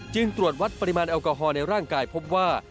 ตรวจวัดปริมาณแอลกอฮอลในร่างกายพบว่า